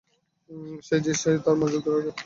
মেইজি, তার মনোযোগ ধরে রাখো।